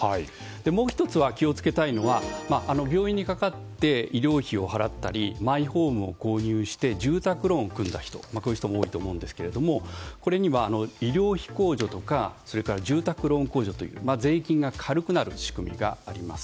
もう１つ気を付けたいのが病院にかかって医療費がかかったりマイホームを購入して住宅ローンを組んだ人そういう人も多いと思いますがこれには医療費控除とか住宅ローン控除という税金が軽くなる仕組みがあります。